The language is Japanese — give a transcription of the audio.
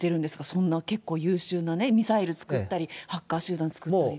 そんな結構優秀なね、ミサイル作ったり、ハッカー集団作ったり。